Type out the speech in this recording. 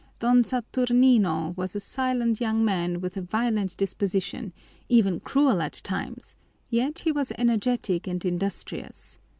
Don Saturnino was a silent young man with a violent disposition, even cruel at times, yet he was energetic and industrious.